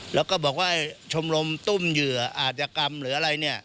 แล้วก็บอกว่าชมรมตุ้มเหยื่ออาจยกรรมหรืออะไรเนี่ย